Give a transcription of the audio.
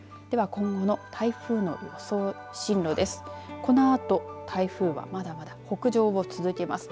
今後の台風の予想進路です。